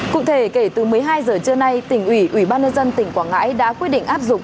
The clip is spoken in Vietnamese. cụ thể kể từ một mươi hai giờ trưa nay tỉnh ủy ủy ban nhân dân tỉnh quảng ngãi đã quyết định áp dụng